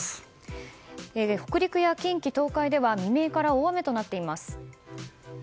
北陸や近畿・東海では未明から大雨となっています。